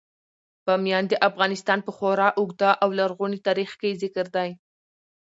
بامیان د افغانستان په خورا اوږده او لرغوني تاریخ کې ذکر دی.